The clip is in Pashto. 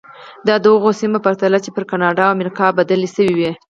دا د هغو سیمو په پرتله چې پر کاناډا او امریکا بدلې شوې.